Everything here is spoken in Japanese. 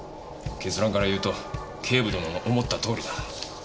結論から言うと警部殿の思ったとおりだ。